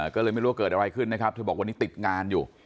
ก็เลยไม่รู้ว่าเกิดอะไรขึ้นนะครับเธอบอกวันนี้ติดงานอยู่